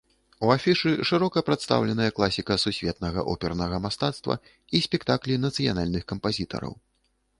У афішы шырока прадстаўленая класіка сусветнага опернага мастацтва і спектаклі нацыянальных кампазітараў.